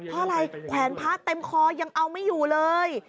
เพราะอะไรแขวนพระเต็มคอยังเอาไม่อยู่เลย